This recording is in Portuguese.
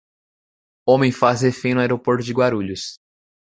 Homem faz refém no aeroporto de Guarulhos